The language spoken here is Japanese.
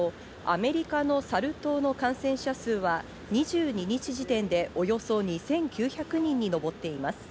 アメリカのサル痘の感染者数は２２日時点でおよそ２９００人に上っています。